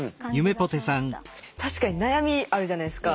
確かに悩みあるじゃないですか。